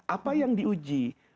apa yang diuji